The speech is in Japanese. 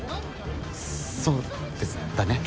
そうですだね。